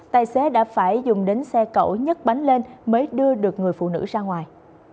tài xế đã phải dùng đến xe cẩu nhất bánh lên mới đưa được người phụ nữ ra ngoài